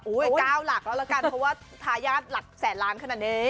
๙หลักแล้วละกันเพราะว่าทายาทหลักแสนล้านขนาดนี้